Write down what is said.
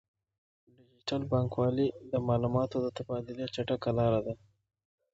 ډیجیټل بانکوالي د معلوماتو د تبادلې چټکه لاره ده.